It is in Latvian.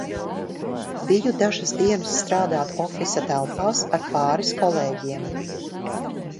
Biju dažas dienas strādāt ofisa telpās ar pāris kolēģiem.